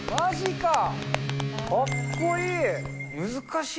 かっこいい。